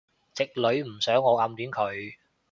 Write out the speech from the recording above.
直女唔想我暗戀佢